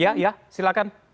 ya ya silahkan